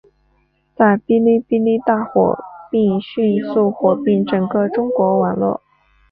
在哔哩哔哩大火并迅速火遍整个中国网络。